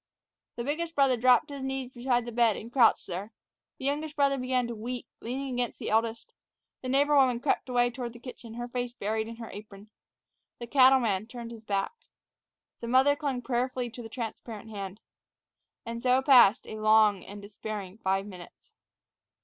The biggest brother dropped to his knees beside the bed and crouched there. The youngest brother began to weep, leaning against the eldest. The neighbor woman crept away toward the kitchen, her face buried in her apron. The cattleman turned his back. The mother clung prayerfully to the transparent hand. And so passed a long and despairing five minutes.